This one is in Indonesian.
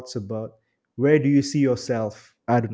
tempat yang anda lihat